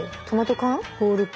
トマト缶？